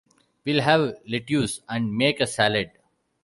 We'll have lettuce, and make a salad.